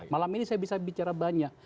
malam ini saya bisa bicara banyak